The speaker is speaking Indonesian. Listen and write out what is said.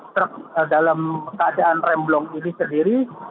truk dalam keadaan remblong ini sendiri